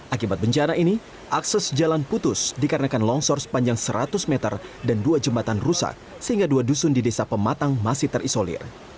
akibat bencana ini akses jalan putus dikarenakan longsor sepanjang seratus meter dan dua jembatan rusak sehingga dua dusun di desa pematang masih terisolir